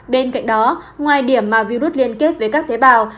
bên cạnh đó ngoài điểm mà virus liên kết với các tế bào